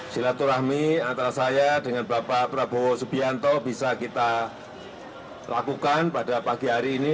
silaturahmi antara saya dengan bapak prabowo subianto bisa kita lakukan pada pagi hari ini